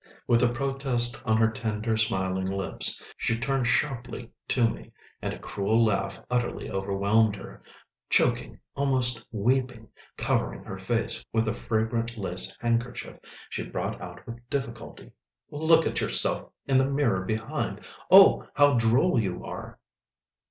With a protest on her tender, smiling lips, she turned sharply to me, and a cruel laugh utterly overwhelmed her. Choking, almost weeping, covering her face with a fragrant lace handkerchief, she brought out with difficulty: "Look at yourself in the mirror behind. Oh, how droll you are!"